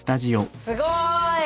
すごーい！